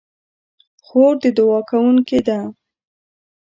خور د دعا کوونکې ده.